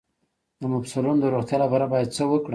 د مفصلونو د روغتیا لپاره باید څه وکړم؟